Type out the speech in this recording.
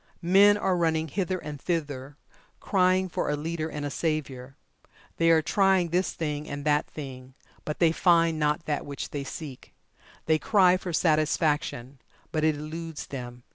Men are running hither and thither crying for a leader and a savior. They are trying this thing, and that thing, but they find not that which they seek. They cry for Satisfaction, but it eludes them.